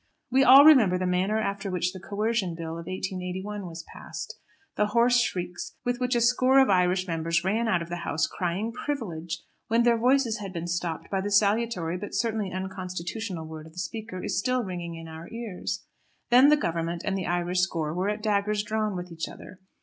We all remember the manner after which the Coercion Bill of 1881 was passed. The hoarse shrieks with which a score of Irish members ran out of the House crying "Privilege," when their voices had been stopped by the salutary but certainly unconstitutional word of the Speaker, is still ringing in our ears. Then the Government and the Irish score were at daggers drawn with each other.